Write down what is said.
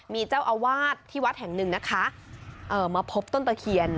มีเจ้าอาวาสที่วัดแห่งหนึ่งนะคะเอ่อมาพบต้นตะเคียน